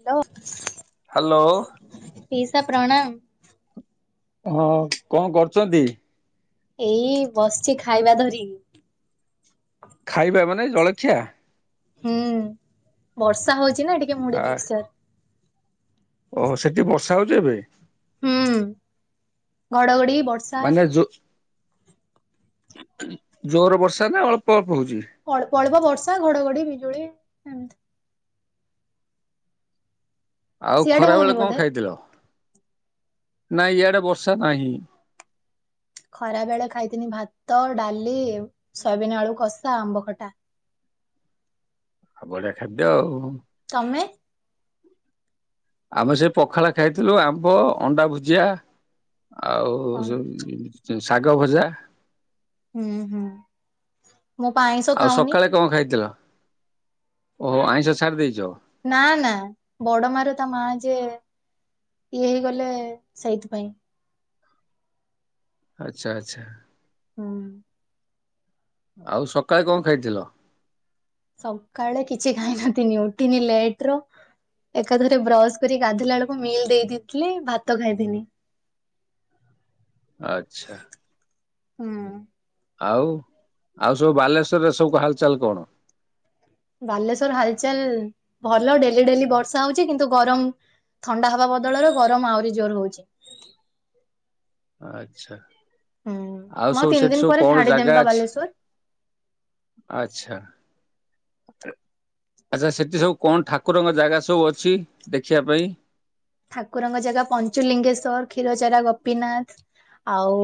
Hello hello. ପିଇସା ପ୍ରଣାମ। ହଁ କଣ କରୁଚନ୍ତ? ଏଇ ବସିଚି ଖାଇବା ଧରି। ଖାଇବା ମାନେ ଜଳଖିଆ? ହୁଁ ବର୍ଷା ହଉଚି ଚି ଟିକେ ଆ ମୁଡି ମିକ୍ସଚର। ଓହୋ ସେଠି ବର୍ଷ ର୍ଷା ହଉଚି ଏବେ? ହୁଁ ବଡଘଡି ମାନେ ଯୁ ଜୋର ବର୍ଷା ନା ଅଳ୍ପ ହଉଛି? ପର୍ବ ବର୍ଷ ବଷା ଘଡଘଡି ବିଜୁଳି ଏମତି ଆଉ ସିଆଡେ ଖରା ବେଳେ ହଉନି କଣ ବୋଧେ ଖାଇଥିଲ? ନାଇ ଇଆଡ଼େ ବର୍ଷା ନାହିଁ। ଖରା ବେଳେ ଖାଇଥନି ଭାତ ଡାଲି ସୟବିନ ଆଳୁ କଷା ଆମ୍ବ ଖଟା ହଁ ଭଳିଆ ଖାଦ୍ୟ ଆଉ ତମେ ଆମେ ସେ ପଖାଳ ଖାଇଥିଲୁ ଆମ୍ବ ଅଣ୍ଡା ଭୁଜିଆ ଆଉ କଣ ସେ ଶାଗ ଭଜା ହୁଁ ହୁଁ। ମୁଁ ପା ଆଇଁଷ ଆଉ ଖାଉନି ସକାଳେ କଣ ଖାଇଥିଲ? ଓହୋ ଆଇଁଷ ଛାର ଦେଇଛ ନା ନା ବଡ ମାର ତା ମା ଯେ ଇଏ ହେଇଗଲେ ସେଇଥିପାଇଁ ଆଛା ଆଛା। ହଁ। ଆଉ ସକାଳେ କଣ ଖାଇଥିଲ? ସକାଳେ କିଛି ଖାଇନଥିନି ଉଠିନି ଲେଟ ର ଏକାଥରେ ବ୍ରଶ କରି ଗାଧୋଇଲା ବେଳକୁ ମିଲ୍ ଦେଇଦଥିଲି ଭାତ ଖାଇଥିନି ଆଛା। ହଁ। ଆଉ ଆଉ ସବୁ ବାଲେଶ୍ଵରରେ ସବୁ ହାଲଚାଲ କଣ? ବାଲେଶ୍ଵର ହାଲଚାଲ ଭଲ ଡେଲି ଡେଲି ବର୍ଷା ହଉଚଛି କିନ୍ତୁ ଗରମ ଥଣ୍ଡା ହବା ବଦଳରେ ଗରମ ଆହୁରି ଜୋର ହଉଛି। ଆଚ୍ଛା। ହୁଁ ଆଉ ମୁଁ ସବୁ ତିନି ସେଠି ଦିନ ସବୁ ପରେ କଣ ଛାଡିଦେମି ଜାଗା ବା ଅଛି ବାଲେଶ୍ଵର। ଆଛା। ଆଚ୍ଛା ସେଠି ସବୁ କଣ ଠାକୁରଙ୍କ ଜାଗା ସବୁ ଅଛି ଦେଖିବା ପାଇଁ। ଠାକୁରଙ୍କ ଜାଗା ପଞ୍ଚୁଲିଙ୍ଗେଶ୍ୱର କ୍ଷୀରଚାରା ଗୋପୀନାଥ ଆଉ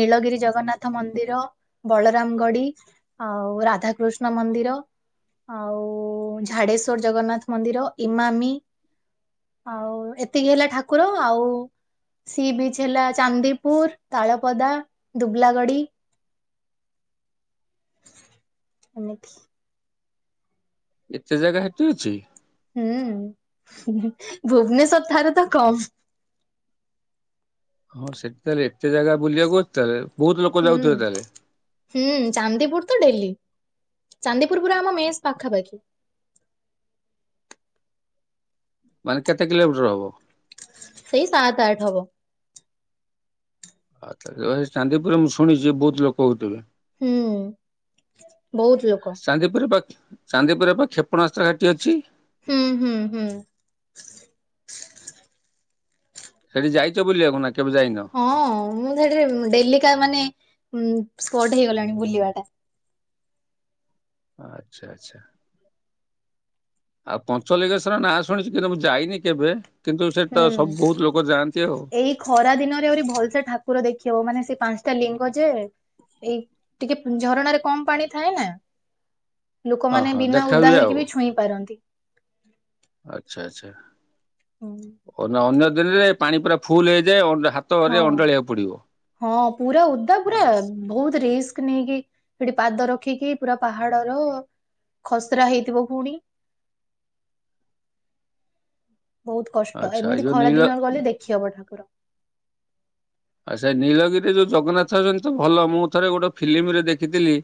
ନୀଳଗିରି ଜଗନ୍ନାଥ ମନ୍ଦିର ବଳରାମଗଡି ଆଉ ରାଧାକୃଷ୍ଣ ମନ୍ଦିର ଆଉ ଝାଡେଶ୍ଵର ଜଗନ୍ନାଥ ମନ୍ଦିର ଇମାମି। ଆଉ ଏତିକି ହେଲା ଠାକୁର ଆଉ ସି ବିଚ ହେଲା ଚାନ୍ଦିପୁର ତାଳପଦା ଦୁବଲାଗଡି। ଅନମେକ। ଏତେ ଜାଗା ହେଠ ଅଛି। ହୁଁ ଭୁବନେଶ୍୍ୱର ଥରେ ତ କମ୍ ହଁ ସେଠି ତାହେଲେ ଏତେ ଜାଗା ବୁଲିବାକୁହୁଛି ତାହେଲେ ବହୁତ ଲୋକ ହୁଁ ଯାଉଥିବେ ତାହେଲେ ହୁଁ ଚାନ୍ଦିପୁର ତ ଡେଲି। ଚାନ୍ଦିପୁର ପୁର ଆମ ମେଷ ପାଖାପାଖି। ମାନେ କେତେ କିଲୋମିଟର ହବ। ସେଇ ସାତ ଆଠ ହବ। ଆଉ ଚାନ୍ଦିପୁରରେ ମୁଁ ଶୁଣିଛି ବହୁତ ଲୋକ ହଉଥିବେ। ହୁଁ ବହୁତ ଲୋକ। ଚାନ୍ଦିପୁର ଏବେ କ୍ଷେପଣାସ୍ତ୍ର ଘାଟି ଅଛି। ହୁଁ ହୁଁ ହୁଁ। ସେଠି ଯାଇଛ ବୁିବାକୁ ନା କେବେ ଯାଇନ? ହଁ ମୁଁ ସେଠିରେ ଡେଲିକା ମାନେ ସ୍କଟ ହେଇଗଲାଣି ବୁଲିବାଟା ଆଚଛା ଆଚ୍ଛା ଆଉ ପଞ୍ଚଲିଗେଶର ନାଁ ଶୁଣିଛିୁ କିନ୍ତୁ ମୁଁ ଯାଇନି କେବେ କିନ୍ତୁ ସେଠି ତ ହୁଁ ସବୁ ବହୁତ ଲୋକ ଯାଆନ୍ତି ଆଉ। ଏଇ ଖରା ଦିନରେ ଆହୁରି ଭଲସ ଠାକୁର ଦେଖ ହବ ମାନେ ସେ ପାଞ୍ଚ ଲିଙ୍ଗ ଯେ ଏଇ ଟିକେ ଝରଣା ରେ କମ୍ ପାଣି ଥାଏ ନା। ଲୋକମାନେ ଓହୋ ବିନା ଦେଖା ଉଦା ହୁଏ ହେଇକି ବି ଛୁଇଁ ପାରନ୍ତି। ଆଛା ଆଛା। ହୁଁ। ଓ ନା ଅନ୍ୟ ଦିନରେ ପାଣି ପୁରା ଫୁଲ ହେଇଯାଏ। ଅ ହଁ ହଁ ପୁରା ଓଦା ପୁରା ବହୁତ ରିସ୍କ ନେଇକି ସେଠି ପାଦ ରଖ ରଖିକି ପୁରା ପାହାଡର ଖସରା ହେଇଥିବ ପୁଣି ବହୁତ କଷ୍ଟ ଆଚ୍ଛା ଏଇ ଏମିତି ଯୋଉ ଖରା ନୀଳ ଦିନରେ ଗଲେ ଦେଖି ହବ ଠାକୁର। ଆ ସେ ନୀଳଗିରିରେ ଯୋଉ ଜଗନ୍ନାଥ ଯେମ ତ ଭଲ। ମୁଁ ଥରେ ଗୋଟେ ଫିଲିମିରେ ଦେଖିଥିଲି।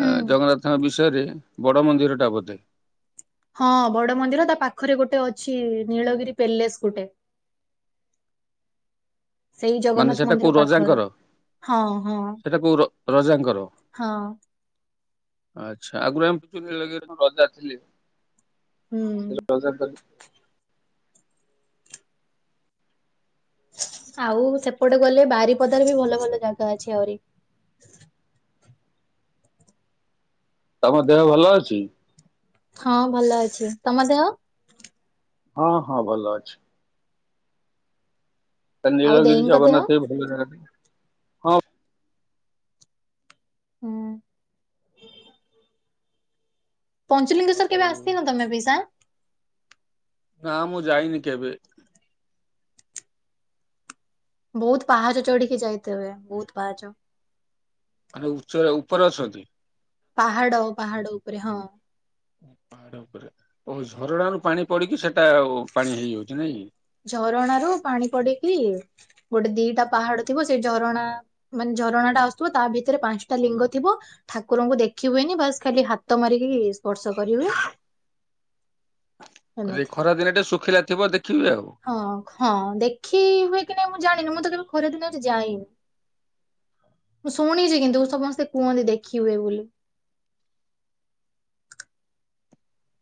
ହୁଁ ଜଗନ୍ନାଥଙ୍କ ବିଷୟରେ ବଡ ମନ୍ଦିର ଟା ବୋଧେ ହଁ ବଡ ମନ୍ଦିର ତା ପାଖରେ ଗୋଟେ ଅଛି ନୀଳଗିରି ପେଲେସ୍ ଗୋଟେ ସେଇ ମାନେ ଜଗନ୍ନାଥ ସେଟା କୋଉ ମନ୍ଦିର ରଜାଙ୍କର ପାଖର ହଁ ହଁ ସେଟା କୋଉ ହଁ। ଆଛା ଆଗୁରୁ [unintelligible] ରଜା ଥିଲେ। ସେ ହୁଁ। ରଜା ପରି ଆଉ ସେପଟେ ଗଲେ ବାରିପଦାର ବି ଭଲ ଭଲ ଜାଗା ଅଛି ଆହୁରି। ତମ ଦେହ ଭଲ ଅଛି। ହଁ ଭଲ ଅଛି। ତମ ଦେହ ହଁ ହଁ ଭଲ ଅଛି। ଆଉ ନୀଳଗିରି ଦେଇଙ୍କ ଦେହ? ଜଗନ୍ନାଥ ବି ଭଲ। ହଁ। ହୁଁ। ପଞ୍ଚୁଲିଙ୍ଗେଶ୍ୱର ଆଉ କେବେ ଆସିଥିଲ ତମେ ବି ସା ନା ମୁଁ ଯାଇନି କେବେ ବହୁତ ପାହାଚ ଚଢିକି ଯାଇତ ହୁଏ। ବହୁତ ପାହାଚ ଆ ଉଚ ଉପରେ ଅଛନ୍ତି। ପାହାଡ ପାହାଡ ଉପରେ ହଁ। ପାହାଡ ଉପରେ ଓ ଝରଣା ରୁ ପାଣି ପଡିକି ସେଟା ପାଣି ହେଇଯାଉଛି ନାଇଁକି ଝରଣା ରୁ ପାଣି ପଡିକି ଗୋଟେ ଦିଟା ପାହାଡ ଥିବ। ସେଇ ଝରଣା ମାନେ ଝରଣା ଟା ଆସୁଥିବ ତା ଭିତରେ ପାଞ୍ଚଟା ଲିଙ୍ଗ ଥିବ। ଠାକୁରଙ୍କୁ ଦେଖି ହୁଏନି। ବାସ୍ ଖାଲି ହାତ ମାରିକି ସ୍ପର୍ଶ କରିହୁଏ। ଖରା ଦିନ ଟେ ଶୁଖିଲା ଥିବ ଦେଖିବେ ଆଉ। ହଁ ହଁ ଦେଖି ହୁଏ। କି ନାଇଁ ମୁଁ ଜାଣିନି ମୁଁ ତ କେବେ ଖରା ଦିନରେ ଯାଇନି। ମୁଁ ଶୁଣିଛି କିନ୍ତୁ ସମସ୍ତେ କୁହନ୍ତି ଦେଖି ହୁଏ ବୋଲି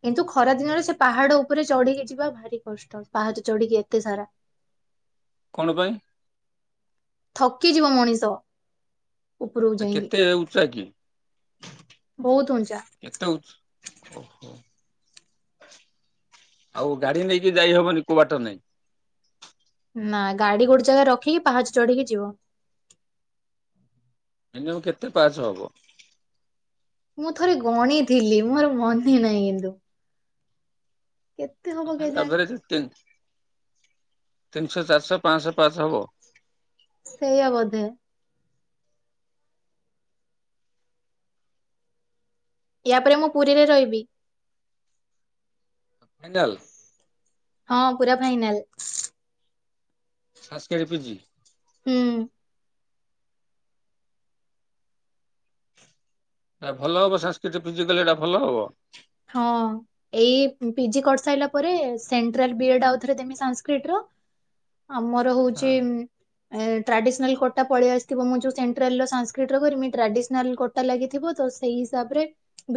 କିନ୍ତୁ ଖରା ଦିନରେ ସେ ପାହାଡ ଉପରେ ଚଢିକି ଯିବା ଭାରି କଷ୍ଟ ପାହାଚ ଚଢିକି ଏତେ ସାରା। କଣ ପାଇଁ? କି ଯିବ ମଣିଷ। ଉପରକୁ ଆଉ ଯାଇକି କେତେ ଉଚ୍ଚା କି? ବହୁତ ଉଞ୍ଚା କେତେ ଉଚ୍ଚ୍ ଓହୋଃ। ଆଉ ଗାଡି ନେଇକି ଯାଇ ହବନି କୋଉ ବାଟ ନାଇଁ? ନା ଗାଡି ଗୋଟେ ଜାଗାରେ ରଖିକି ପାହାଚ ଚଢିକି ଯିବ। ମିନିୟମ୍ କେତେ ପାହାଚ ହବ? ମୁଁ ଥରେ ଗଣିଥିଲି ମୋର ମନେ ନାହିଁ କିନ୍ତୁ। କେତେ ହବ ତଥାପି କେଜାଣି? ଆଭରେଜ୍ ତିନ୍, ତିନିଶହ ଚାରିଶହ ପାଁଶହ? ପାହାଚ ହବ? ସେଇଆ ବୋଧେ। ୟା ପରେ ମୁଁ ପୁରୀରେ ରହିବି। ଫାଇନାଲ୍? ହଁ ପୁରା ଫାଇନାଲ୍। Sanskrit PG? ହୁଁ। ଏଟା ଭଲ ହବ ସାନସ୍କ୍ରିଟରେ ପିଜି କଲେ ଏଟା ଭଲ ହବ? ହଁ, ଏଇ ପିଜି କରିସାଇଲା ପରେ ସେଣ୍ଟ୍ରାଲ ବିଏଡ୍ ଆଉଥରେ ଦେମି ସାନସ୍କ୍ରିଟର। ଆମର ହଉଛି ଉମ୍ ଏ ଟ୍ରାଡିସନାଲ୍ କୋଟା ପଳେଇ ଆସିଥିବ ମୁଁ ଯୋଉ ସେଣ୍ଟ୍ରାଲର ସାନସ୍କ୍ରିଟର କରିମି ଟ୍ରାଡିସନାଲ୍ କୋଟା ଲାଗିଥିବ ତ ସେଇ ହିସାବରେ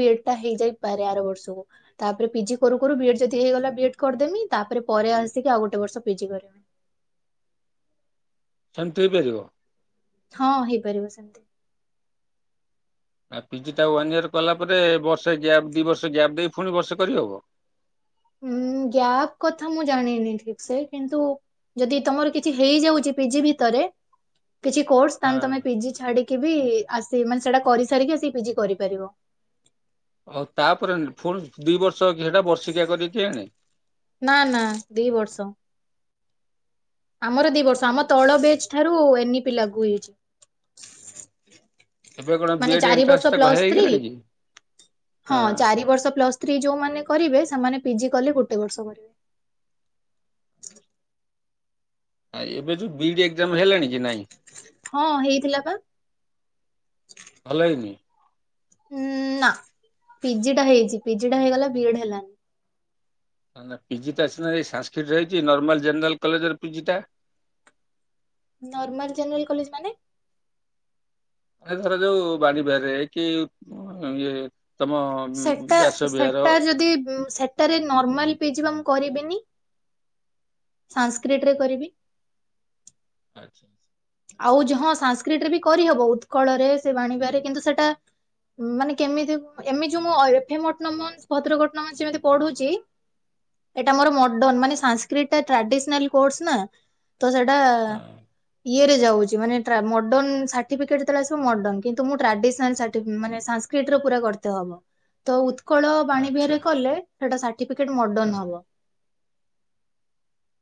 ବିଏଡ୍ ଟା ହେଇଯାଇ ପାରେ ଆର ବର୍ଷକୁ ତାପରେ ପିଜି କରୁ କରୁ ବିଏଡ୍ ଯଦି ହେଇଗଲା ବିଏଡ୍ କରିଦେମି ତାପରେ ପରେ ଆସିକି ଆଉ ଗୋଟେ ବର୍ଷ ପିଜି କରିମି। ସେମିତି ହେଇପାରିବ? ହଁ ହେଇପାରିବ ସେମିତି। ଆଉ ପିଜିଟା ୱାନ୍ ଇୟର୍ କଲା ପରେ ବର୍ଷେ ଗ୍ୟାପ୍ ଦି ବର୍ଷ ଗ୍ୟାପ୍ ଦେଇ ପୁଣି ବର୍ଷେ କରିହେବ? ହୁଁ ଗ୍ୟାପ୍ କଥା ମୁଁ ଜାଣିନି ଠିକ୍ ସେ, କିନ୍ତୁ ଯଦି ତମର କିଛି ହେଇଯାଉଛି ପିଜି ଭିତରେ କିଛି କୋର୍ସ ତାହେନେ ହଁ ତମେ ପିଜି ଛାଡିକି [inaudible] ଆସି ମାନେ ସେଟା କରିସାରିକି ଆସି ପିଜି କରିପାରିବ। ଆଉ ତାପରେ ପୁଣି ଦି ବର୍ ବର୍ଷ ହେଇଟା ବର୍ଷିକିଆ କରି କିଆଣେ। ନା ନା ଦି ବର୍ଷ ଆମର ଦି ବର୍ଷ ଆମ ତଳ ବେ ଠାରୁ ଏନିପି ଲାଗୁ ହେଇଛି। ଏବେ କଣ ମାନେ ବିଏଡ୍ ଚାରି ଏଣ୍ଟ୍ରାନ୍ସ ବର୍ଷ ଟା ପ୍ଲସ୍ ଥ୍ରୀ, ହେଇଗଲାଣି କି ହଁ ଚାରି ବର୍ଷ ପ୍ଲସ୍ ଥ୍ରୀ ଯୋଉମାନେ କରିବେ ସେମାନେ ପିଜି କଲେ ଗୋଟେ ବର୍ଷ କରିବେ। ଆ ଏବେ ଯୋଉ ବିଇଡ଼ି ଏଗ୍ [inaudible] ଜାମ୍ ହେଲାଣି କି ନାଇଁ, ହଁ ହେଇଥିଲା ପା ଭଲ ହେଇନି? ଉଁଉଁଉଁ ନା, ପିଜିଟା ହେଇଛି ପିଜିଟା ହେଇଗଲା ବିଏଡ ହେଲାନି। ନା ନା ପିଜିଟା‌ ସିନା ଏଇ ସାନସ୍କ୍ରିଟରେ ହେଇଛି ନର୍ମାଲ ଜେନେରାଲ କଲେଜର ପିଜିଟା? ନର୍ମାଲ୍ ଜେନେରାଲ୍ କଲେଜ ମାନେ? ଏ ଧରାଯାଉ ବାଣୀବିହାରେ କି ଇଏ। ତମ ସେଟା, ବ୍ୟାସ ବିହାର ସେଟା ଯଦି ସେଟାରେ ନର୍ମାଲ ପିଜି ପା ମୁଁ କରିବିନି ସାଂସ୍କିଡ଼ି ରେ କରିବି। ଆଚ୍ଛା। ଆଉ ଯ ହଁ ସାଂସ୍କ୍ରିଡି ରେ ବି କରିହବ ଉତ୍କଳରେ ସେ ବାଣିବାରେ କିନ୍ତୁ ସେଟା ମାନେ କେମିତି ଏମି ଯୋଉ ମୁଁ ଏଫଟ ଭଦ୍ରକଟନମ ଯେମିତି ପଢୁଛି ଏଟା ମୋର ମଡର୍ଣ ମାନେ ସାଂସ୍କ୍ରାଡି ଟ୍ରାଡିସନାଲ କୋର୍ସ ନା ତ ସେଇଟା ହଁ ଇଏ ରେ ଯାଉଛି ମାନେ ମଡର୍ଣ୍ଣ ସାର୍ଟିଫିକେଟ ତବେଳେ ଆସିବ ମଡର୍ଣ୍ଣ କିନ୍ତୁ ମୁଁ ଟ୍ରାଡିସନାଲ ମାନେ ସାସ୍କ୍ରରେ ପୁରା କରେ ହବ ତ ଉକୂଳ ବାଣୀ ଆଚ୍ଛା ବିହାରିରେ କଲେ ସେଇଟା ସାଟି ଡିପି କେଟ୍ ହଁ ମଡନ୍ ହବ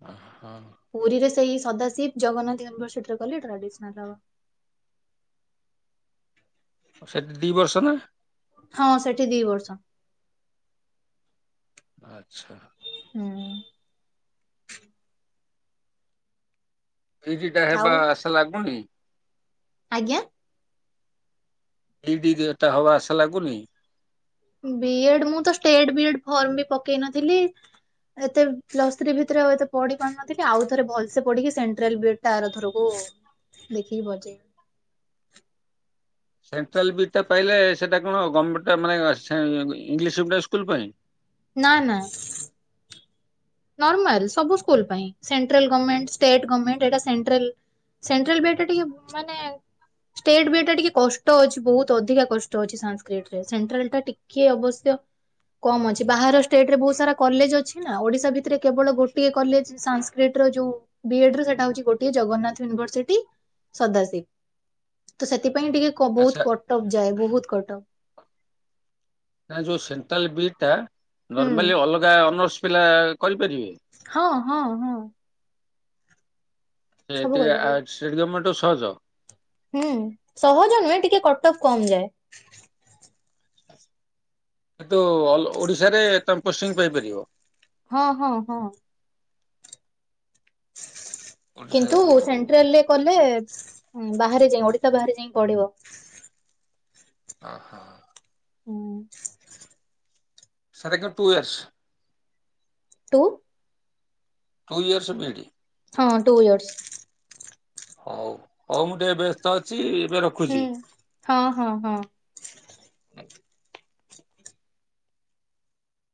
ଓ ହୋ। ପୁରୀରେ ସେଇ ସଦାଶିବ ଜଗନ୍ନାଥ ୟୁନିଭରସିଟିରେ କଲେ ଟ୍ରାଡିସନାଲ ହବ। ସେଠି ଦି ବର୍ଷ ନା? ହଁ ସେଠି ଦି ବର୍ଷ। ଆଚ୍ଛା। ହୁଁ। ଏଇଜିଟା ହେବା ଆଉ ଆଶା ଲାଗୁନି? ଆଜ୍ଞା ଇଡି ଏଟା ହବା ଆଶା ଲାଗୁନି? ବିଏଢ଼େ ମୁଁ ତ ଷ୍ଟେଡ଼େ ବିଏଡ଼େ ଫର୍ମ ବି ପକେଇ ନଥିଲି ଏତ ପ୍ଲସ୍ ଥ୍ରି ଭତରେ ଏ ପଢି ପାରୁନଥିଲି ଆଉ ଥରେ ଭଲସ ପଢି କି ସେଣ୍ଟ୍ରାଲ ବିଟା୍ ଆରଥରକୁ ଦେଖିକି ବଜେଇବି। ସେଣ୍ଟ୍ରାଲ ବି ଟା ପାଇଲେ ସେଇଟା କଣ ଗର୍ଣମେଣ୍ଟ ମାନେ ଇଂଲିଶ ମିଡିମ୍ ସ୍କୁଲ ପାଇଁ। ନା ନା। ନର୍ମାଲ ସବୁ ସ୍କୁଲ ପାଇଁ ସେଣ୍ଟ୍ରାଲଣମେଣ୍ଟ ଷ୍ଟେଡ଼େ ଗମେଣ୍ଟ ଏଟ ସେଣ୍ଟ୍ରାଲ ସେଣ୍ଟ୍ରାଲଟା ଟିକେ ମାନେ ଷ୍ଟେଟ ବିଟା ଟିକେ କଷ୍ଟ ଅଛି ବହୁତ ଅଧିକା କଷ୍ଟ ଅଛି ସାସ୍ର୍କିଡ଼ି ସେଣ୍ଟ୍ରାଲ ଟା ଟିକେ ଅବଶ୍ୟ କମ ଅଛି ବାହାର ଷ୍ଟେଟରେ ବହୁତ ସାରା କଲେଜ ଅଛି ନା ଓଡିଶା ଭିତରେ ବ ଗୋଟିଏ କଲେଜ୍ ସାସ୍କ୍ରିଡି ର ଯୋଉ ବି ଏଡ଼େ ସେଟା ହୋଉଚି ଗୋଟିଏ ଜଗନ୍ନାଥ ୟୁନିଭର୍ସ ଟି ସଦାସିବି ତ ସେଟି ପାଇଁ ଟିକେ ଆଚ୍ଛା ବହୁତ୍ କଟକ ଯାଏ ବହୁତ୍ କଟକ ନା ଯୋଉ ସେଣ୍ଟ୍ରଲ ବିଟ୍ ଟା ହୁଁ ନର୍ମାଲି ଅଲଗା ଅନର୍ସ ପିଲା କରିପାରିବେ। ହଁ ହଁ ହଁ। ସବୁ ଏଟିଆ କରିପାରିବେ ଆର୍ସ ଷ୍ଟେଡ଼େ କମେଣ୍ଟ ସହଜ ହୁଁ ସହଜ ନୁହେଁ ଟିକେ କଟକ କମ ଯାଏ। [inaudible] କିନ୍ତୁ ଓଡିଶାରେ ତମେ ପୋଷ୍ଟିଙ୍ଗ ପାଇପାରିବ। ହଁ ହଁ ହଁ ଓଡ଼ିଶାରେ କିନ୍ତୁ ହଉ ସେଣ୍ଟ୍ରାଲରେ କଲେ ହଁ ବାହାରେ ଯାଇ ଓଡିଶା ବାହାରେ ଯାଇ ପଡ଼ିବ। ଓହୋ। ହୁଁ। Sir two years two two years ଟିଡ଼ି ହଁ ଟୁ ଇୟର୍ସ। ହଉ ହଉ ମୁଁ ଟିକେ ବ୍ୟସ୍ତ ଅଛି ଏବେ ହୁଁ ରଖୁଚି। ହଁ ହଁ ହଁ।